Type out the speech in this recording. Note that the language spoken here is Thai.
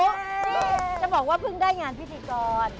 นี่จะบอกว่าเพิ่งได้งานพิธีกร